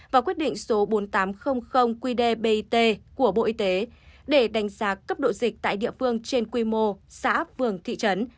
và quyết định số bốn nghìn tám trăm linh qdbit của bộ y tế để đánh giá cấp độ dịch tại địa phương trên quy mô xã vườn thị trấn